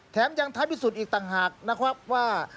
แถมยังท้ายพิสูจน์อีกต่างหากนะครับว่า